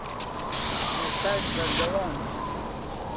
ئێستاش بەردەوامە